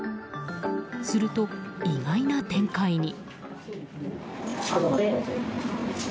すると意外な展開に。